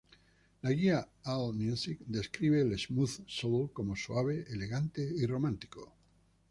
La guía "Allmusic" describe al smooth soul como "suave, elegante y romántico".